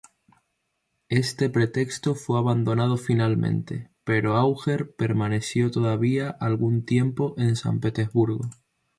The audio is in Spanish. Este pretexto fue abandonado finalmente, pero Auger permaneció todavía algún tiempo en San Petersburgo.